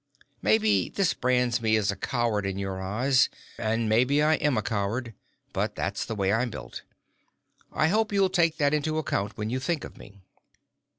Maybe this brands me as a coward in your eyes, and maybe I am a coward, but that's the way I'm built. I hope you'll take that into account when you think of me.